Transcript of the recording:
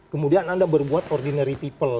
kemudian anda berbuat ordinary people